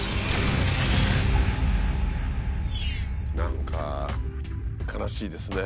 何か悲しいですね。